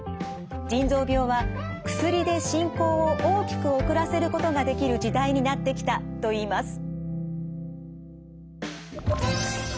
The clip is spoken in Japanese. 腎臓病は薬で進行を大きく遅らせることができる時代になってきたと言います。